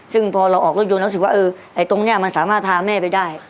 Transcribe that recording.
ซึ่งพอเราออกรถยนต์แล้วรู้สึกว่าเออไอ้ตรงนี้มันสามารถพาแม่ไปได้